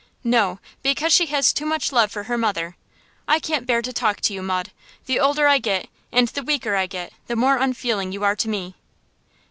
'No, because she has too much love for her mother. I can't bear to talk to you, Maud. The older I get, and the weaker I get, the more unfeeling you are to me.